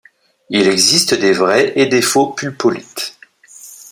Il existe des vrais et des faux pulpolithes.